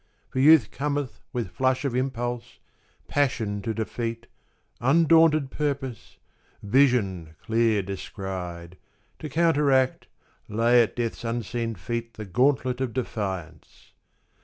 For Youth cometh With flush of impulse, passion to defeat, Undaunted purpose, vision clear descried, To counteract, lay at Death's unseen feet The gauntlet of defiance.